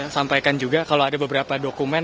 sampaikan juga kalau ada beberapa dokumen